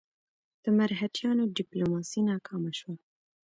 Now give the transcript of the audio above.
د مرهټیانو ډیپلوماسي ناکامه شوه.